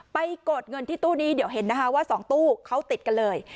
กดเงินที่ตู้นี้เดี๋ยวเห็นนะคะว่า๒ตู้เขาติดกันเลย